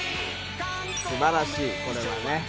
素晴らしい、これはね。